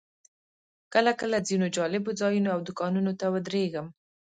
کله کله ځینو جالبو ځایونو او دوکانونو ته ودرېږم.